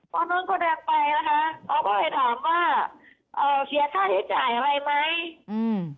พ่อน้องก็เดินไปนะคะเขาก็เลยถามว่าเสียค่าใช้จ่ายอะไรไหม